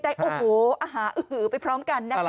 ได้โอ้โหอาหารอื้อหือไปพร้อมกันนะคะ